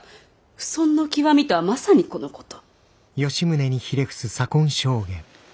不遜の極みとはまさにこのこと！